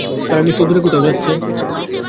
তারা নিশ্চয়ই দূরে কোথাও যাচ্ছে।